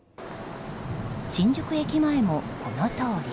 新宿駅前も、このとおり。